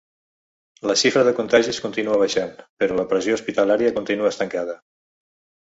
La xifra de contagis continua baixant, però la pressió hospitalària continua estancada.